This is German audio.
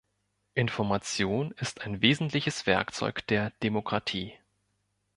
Information ist ein wesentliches Werkzeug der Demokratie.